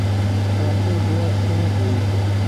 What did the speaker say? Ela pegou a senha dele.